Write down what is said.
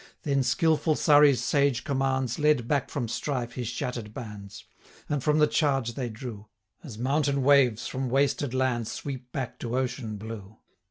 Then skilful Surrey's sage commands Led back from strife his shatter'd bands; And from the charge they drew, 1045 As mountain waves, from wasted lands, Sweep back to ocean blue.